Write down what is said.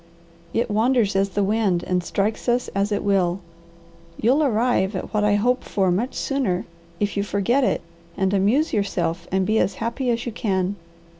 It wanders as the wind, and strikes us as it will. You'll arrive at what I hope for much sooner if you forget it and amuse yourself and be as happy as you can.